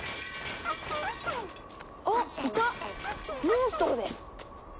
モンストロです！